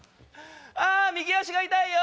あ右足が痛いよ！